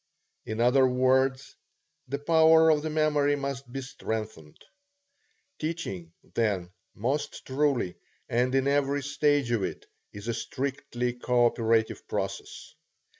In other words, the power of the memory must be strengthened. Teaching, then, most truly, and in every stage of it, is a strictly co operative process.